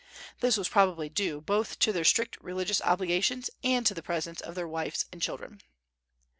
This was probably due both to their strict religious obligations and to the presence of their wives and children.